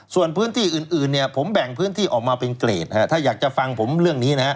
ส่วนพื้นที่อื่นเนี่ยผมแบ่งพื้นที่ออกมาเป็นเกรดนะฮะถ้าอยากจะฟังผมเรื่องนี้นะฮะ